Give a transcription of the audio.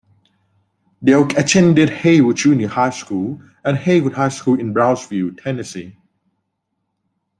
Delk attended Haywood Junior High School and Haywood High School in Brownsville, Tennessee.